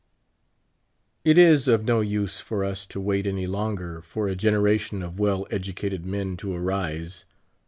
It is of no use for us to wait any longer for a genera tion of well educated men to arise.